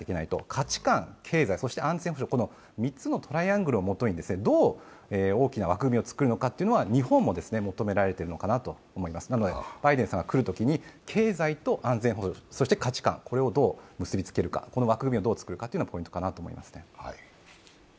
価値観、経済、そして安全保障、この３つのトライアングルでどう大きな枠組みを作るのかというのは日本も求められていると思いますのでバイデンさんが来るときに経済と安全保障、そして価値観をどう結びつける、この枠組みをどう作るのかがポイントかなと思います。